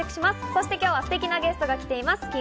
そして、今日はすてきなゲストが来ています。